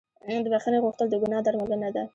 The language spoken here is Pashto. د بښنې غوښتل د ګناه درملنه ده.